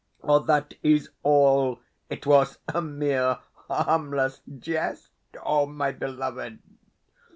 That is all; it was a mere harmless jest, my beloved.